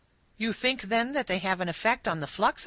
"You think, then, they have an effect on the flux?"